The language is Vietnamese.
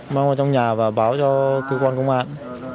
mang vào trong nhà và báo cho cơ quan công an